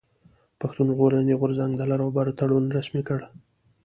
پښتون ژغورني غورځنګ د لر او بر تړون رسمي کړ.